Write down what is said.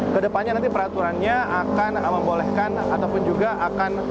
kedepannya nanti peraturannya akan membolehkan ataupun juga akan